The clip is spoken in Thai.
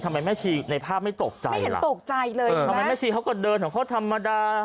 ทำไมแม่ชีในภาพไม่ตกใจล่ะทำไมแม่ชีเขาก็เดินของเขาธรรมดา